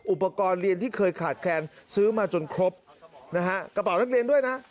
อุปกรณ์เรียนที่เคยขาดแคลนซื้อมาจนครบนะฮะกระเป๋านักเรียนด้วยนะ